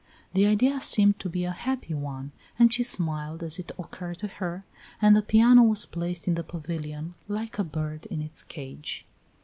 The idea seemed to be a happy one, and she smiled as it occurred to her, and the piano was placed in the pavilion, like a bird in its cage.